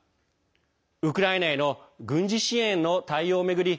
ウクライナへの軍事支援への対応を巡り